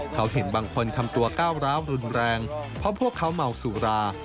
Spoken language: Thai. เขาเห็นบางคนทำตัวก้าวร้าวรุนแรงเพราะพวกเขาเมาสุรา